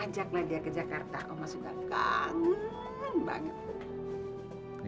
ajaklah dia ke jakarta uma sudah kangen banget